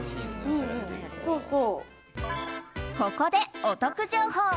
ここで、お得情報。